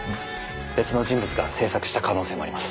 別の人物が制作した可能性もあります。